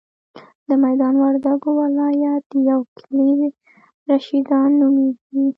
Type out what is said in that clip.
د ميدان وردګو ولایت یو کلی رشیدان نوميږي.